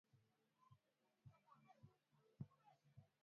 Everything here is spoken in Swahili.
Ugonjwa wa kimeta uhusishwa na mvuaa nyingi baada ya kindi cha ukame